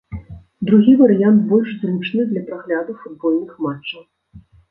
Другі варыянт больш зручны для прагляду футбольных матчаў.